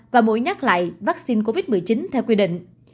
và mũi nhắc lại vaccine covid một mươi chín theo quy định